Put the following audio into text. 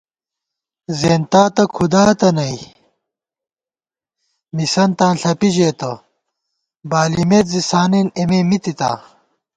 زیَنتاتہ کھُداتہ نئ مِسَنتاں ݪپی ژېتہ ، بالِمېت زی سانېن اېمےمِتِتا